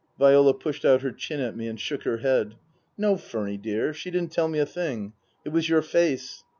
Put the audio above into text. Viola pushed out her chin at me and shook her head. " No, Furny dear, she didn't tell me a thing. It was your face."